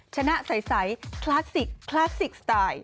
ชนะใสคลาสสิกคลาสสิกสไตล์